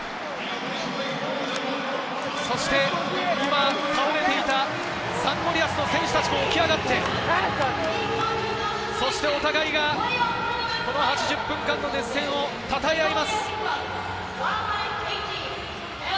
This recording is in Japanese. そして今、倒れていたサンゴリアスの選手たちも起き上がって、お互いが８０分間の熱戦を称え合います。